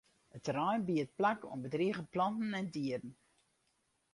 It terrein biedt plak oan bedrige planten en dieren.